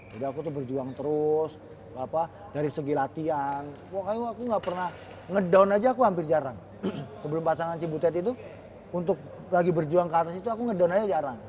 jadi aku tuh berjuang terus dari segi latihan pokoknya aku gak pernah ngedown aja aku hampir jarang sebelum pasangan bu tjibutet itu untuk lagi berjuang ke atas itu aku ngedown aja jarang